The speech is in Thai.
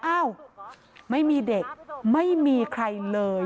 อ้าวไม่มีเด็กไม่มีใครเลย